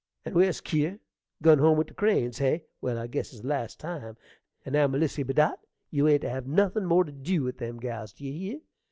And where's Kier? Gun home with the Cranes, hey! Well, I guess it's the last time. And now, Melissy Bedott, you ain't to have nothin' more to dew with them gals, d'ye hear?